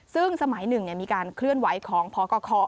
ซึ่งสมัยหนึ่งมีการเคลื่อนไหวของพกค